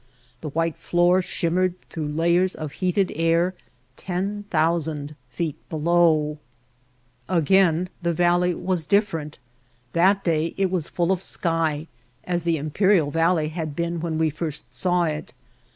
The white floor shimmered through layers of heated air, 10,000 feet below. Again the valley was different. That day it was full of sky, as the Imperial Valley had been when we first saw it.